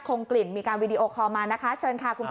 คงกลิ่นมีการวีดีโอคอลมานะคะเชิญค่ะคุณพ่อ